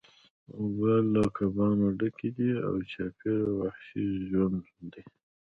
اوبه له کبانو ډکې دي او چاپیره وحشي ژوند دی